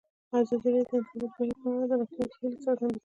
ازادي راډیو د د انتخاباتو بهیر په اړه د راتلونکي هیلې څرګندې کړې.